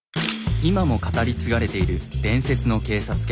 今も語り継がれている伝説の警察犬。